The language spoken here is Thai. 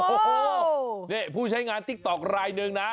โอ้โหนี่ผู้ใช้งานติ๊กต๊อกรายหนึ่งนะ